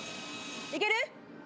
いける？